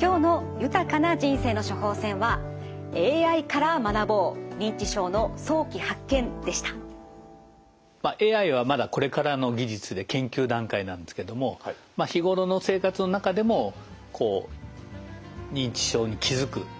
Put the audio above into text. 今日の豊かな人生の処方せんはＡＩはまだこれからの技術で研究段階なんですけども日頃の生活の中でもこう認知症に気付くきっかけがあると。